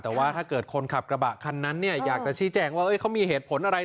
แต่ว่าถ้าเกิดคนขับกระบะคันนั้นอยากจะชี้แจงว่าเขามีเหตุผลอะไร